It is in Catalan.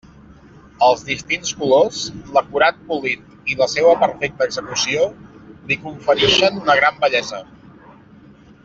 Els distints colors, l'acurat polit i la seua perfecta execució li conferixen una gran bellesa.